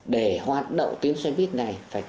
để hoạt động tuyến xe buýt này